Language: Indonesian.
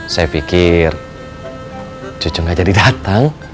saya pikir cucu nggak jadi datang